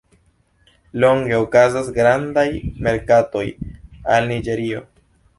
Longe okazas grandaj merkatoj al Niĝerio.